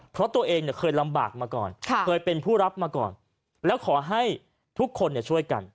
เพราะตัวเองเนี่ยเคยลำบากมาก่อนเคยเป็นผู้รับมาก่อนแล้วขอให้ทุกคนช่วยกัน